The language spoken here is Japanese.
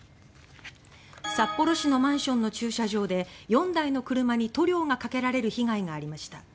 札幌市のマンションの駐車場で４台の車に塗料がかけられる被害がありました。